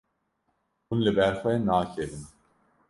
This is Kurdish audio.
Hûn li ber xwe nakevin.